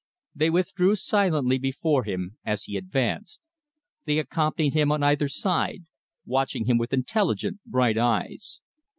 They withdrew silently before him as he advanced. They accompanied him on either side, watching him with intelligent, bright eyes.